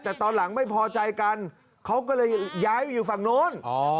แต่ตอนหลังไม่พอใจกันเขาก็เลยย้ายไปอยู่ฝั่งนู้น